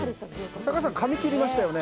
酒井さん、髪切りましたよね？